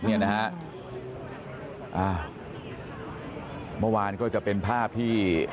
เมื่อวานก็จะเป็นภาพที่